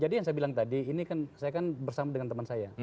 jadi yang saya bilang tadi ini kan saya kan bersama dengan teman saya